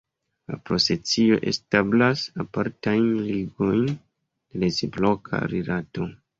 La procesio establas apartajn ligojn de reciproka Rilato.